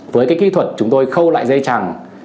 với cái kỹ thuật chúng tôi khâu lại dây chẳng